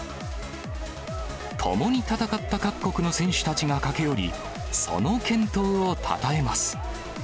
共に戦った各国の選手たちが駆け寄り、その健闘をたたえます。